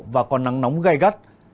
và còn nắng nóng gai gắt